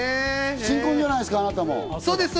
新婚じゃないですか、あなたも。